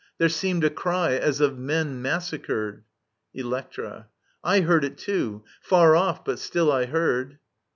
There seemed a cry as of men massacred I Electra. I heard it too. Far off, but still I heard.